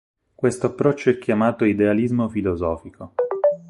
Questo approccio è chiamato idealismo filosofico.